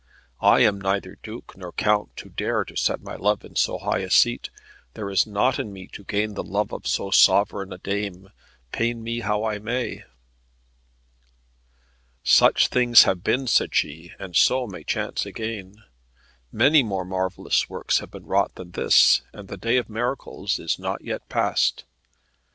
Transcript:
I am neither duke nor count to dare to set my love in so high a seat. There is nought in me to gain the love of so sovereign a dame, pain me how I may." "Such things have been," said she, "and so may chance again. Many more marvellous works have been wrought than this, and the day of miracles is not yet past.